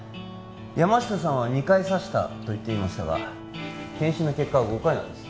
山下さんは２回刺したと言ったが検視の結果は５回なんです